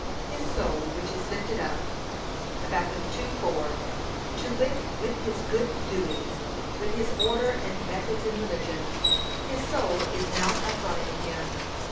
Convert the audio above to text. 'His soul, which is lifted up,' (Hab. 2:4) to wit, with his good doings, with his order and methods in religion, 'his soul is not upright in him.'